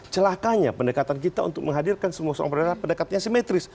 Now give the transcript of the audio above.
celakanya pendekatan kita untuk menghadirkan semua soal pendekatannya simetris